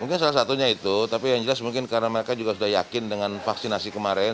mungkin salah satunya itu tapi yang jelas mungkin karena mereka juga sudah yakin dengan vaksinasi kemarin